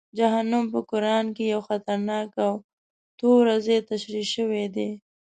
جهنم په قرآن کې یو خطرناک او توره ځای تشریح شوی دی.